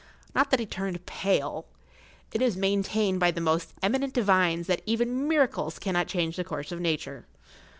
Not that he turned pale. It is maintained by the most eminent divines that even miracles cannot change the course of nature.